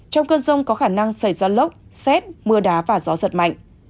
trong cơn rông có khả năng xảy ra lốc xét mưa đá và gió giật mạnh